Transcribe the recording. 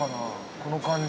この感じ。